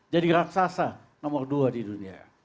jadi raksasa nomor dua di dunia